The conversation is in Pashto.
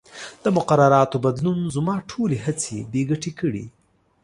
د مقرراتو بدلون زما ټولې هڅې بې ګټې کړې.